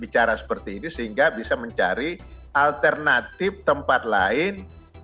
bicara seperti ini sehingga bisa mencari alternatif tempat lain